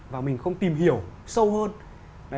và mình không tìm hiểu sâu hơn